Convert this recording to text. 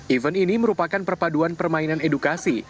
event ini merupakan perpaduan permainan edukasi